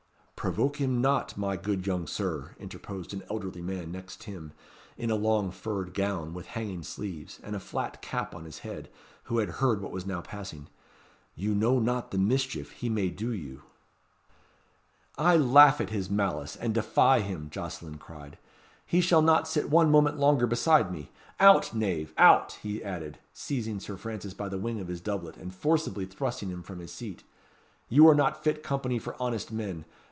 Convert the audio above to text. "Provoke him not, my good young Sir," interposed an elderly man, next him, in a long furred gown, with hanging sleeves, and a flat cap on his head, who had heard what was now passing. "You know not the mischief he may do you." "I laugh at his malice, and defy him," Jocelyn cried "he shall not sit one moment longer beside me. Out, knave! out!" he added, seizing Sir Francis by the wing of his doublet, and forcibly thrusting him from his seat. "You are not fit company for honest men.